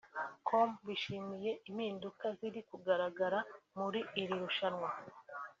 com bishimiye impinduka ziri kugaragara muri iri rushanwa